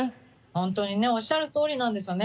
本当にね、おっしゃるとおりなんですよね。